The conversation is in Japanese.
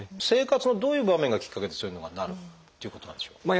生活のどういう場面がきっかけでそういうのがなるっていうことなんでしょう？